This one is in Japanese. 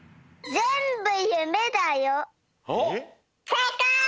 せいかい！